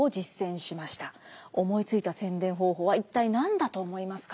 思いついた宣伝方法は一体何だと思いますか？